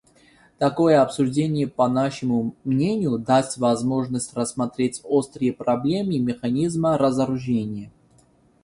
Такое обсуждение, по нашему мнению, даст возможность рассмотреть острые проблемы механизма разоружения.